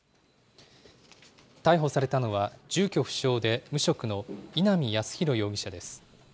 逮捕されたのは、住居不詳で無職の稲見康博容疑者です。